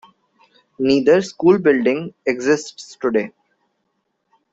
Neither school building exists today.